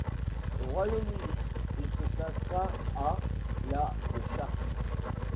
Au Royaume-Uni il se classa à la des charts.